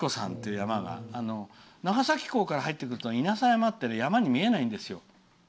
長崎港から入ってくると稲佐山って山に見えないんですよ。